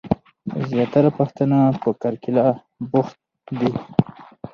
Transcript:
زياتره پښتنه په کرکيله بوخت دي.